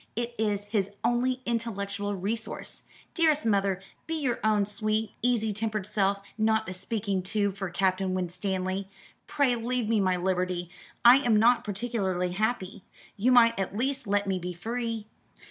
It is his only intellectual resource. Dearest mother, be your own sweet easy tempered self, not a speaking tube for Captain Winstanley. Pray leave me my liberty. I am not particularly happy. You might at least let me be free."